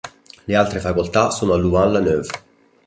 Le altre facoltà sono a Louvain-la-Neuve.